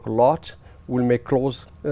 sẽ làm việc rất nhiều